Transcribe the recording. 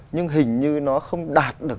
nhưng hình như nó không đạt được